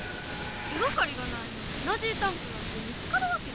手がかりがないのにエナジータンクなんて見つかるわけないでしょ。